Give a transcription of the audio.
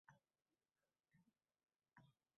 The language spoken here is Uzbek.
Nega Qohirada otangizning qarindoshlarinikida yashamayapsiz